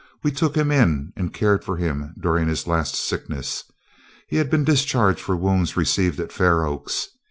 We took him in and cared for him during his last sickness. He had been discharged for wounds received at Fair Oaks.